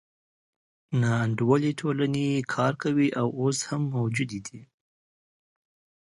ناانډولې ټولنې کار کوي او اوس هم موجودې دي.